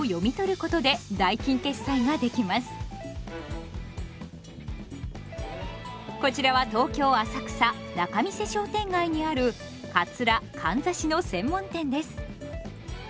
こちらは東京・浅草仲見世商店街にあるかつらかんざしの専門店です。